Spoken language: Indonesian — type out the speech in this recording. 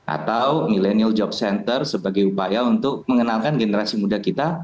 atau millennial job center sebagai upaya untuk mengenalkan generasi muda kita